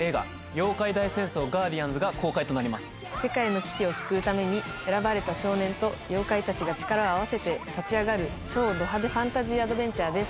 世界の危機を救うために選ばれた少年と妖怪たちが力を合わせて立ち上がる超ド派手ファンタジーアドベンチャーです。